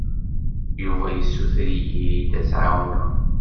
Yuba yessuter-iyi-d ad t-ɛawneɣ.